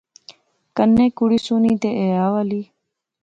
کنے کڑی سوہنی تے حیا والی